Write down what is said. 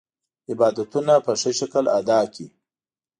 عبادتونه په ښه شکل ادا کړي.